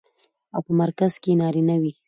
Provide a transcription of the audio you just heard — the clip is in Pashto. او په مرکز کې يې نارينه وي.